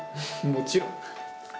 もちろん。